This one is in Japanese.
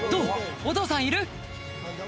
お父さんいる？